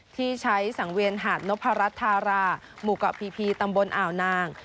ที่ใช้สังเวียนหาดนพรัชธาราหมู่เกาะพีตำบลอ่าวนาง